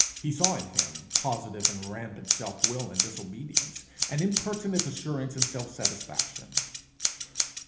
He saw in him positive and rampant self will and disobedience, an impertinent assurance and self satisfaction.